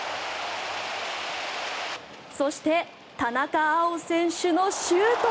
そして田中碧選手のシュート。